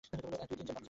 এক, দুই।